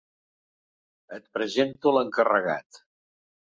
Et presento l'encarregat.